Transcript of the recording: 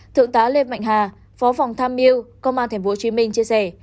thượng tá lê mạnh hà phó phòng tham mưu công an tp hcm chia sẻ